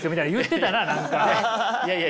いやいや。